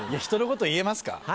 ひとのこと言えますか？